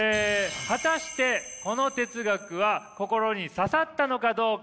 果たしてこの哲学は心に刺さったのかどうか。